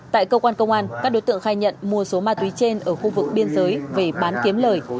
tại cơ quan công an các đối tượng khai nhận mua số ma túy trên ở khu vực biên giới về bán kiếm lời